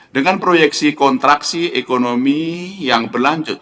dengan proyeksi kontraksi ekonomi yang berlanjut